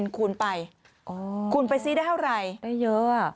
คูณไปคูณไปซื้อได้เท่าไหร่ได้เยอะ